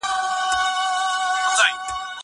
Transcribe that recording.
کېدای سي خبري ګڼه وي!